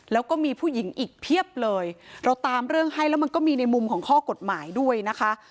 แล้วก็มีผู้หญิงอีกเพียบเลยเราตามเรื่องให้แล้วมันก็มีในมุมของข้อกฎหมายด้วยนะคะ